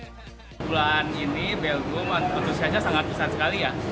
pertama bulan ini beldo menutupi saja sangat besar sekali ya